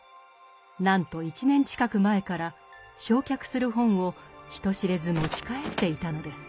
なんと１年近く前から焼却する本を人知れず持ち帰っていたのです。